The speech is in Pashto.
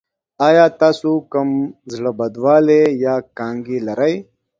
ایا تاسو کوم زړه بدوالی یا کانګې لرئ؟